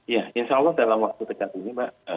ya insya allah dalam waktu dekat ini mbak